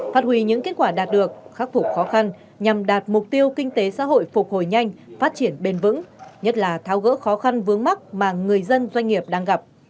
phát huy những kết quả đạt được khắc phục khó khăn nhằm đạt mục tiêu kinh tế xã hội phục hồi nhanh phát triển bền vững nhất là tháo gỡ khó khăn vướng mắt mà người dân doanh nghiệp đang gặp